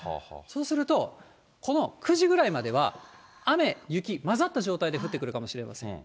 そうすると、この９時ぐらいまでは、雨、雪、混ざった状態で降ってくるかもしれないです。